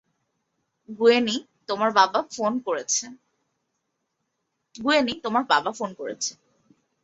গুয়েনি, তোমার বাবা ফোন করেছে।